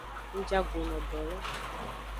Ngjago no do lo.